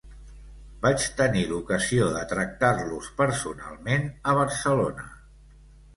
Vaig tenir l'ocasió de tractar-los personalment a Barcelona.